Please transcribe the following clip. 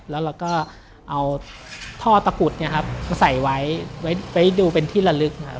เราก็เอาท่อตะกุฎมาใส่ไว้ให้ดูเป็นที่ระลึก